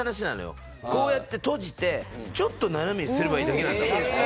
こうやって閉じてちょっと斜めにすればいいだけなんだから。